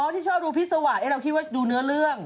อ๋อที่ชอบดูพิษสวรรค์เนี้ยเราคิดว่าดูเนื้อเรื่อง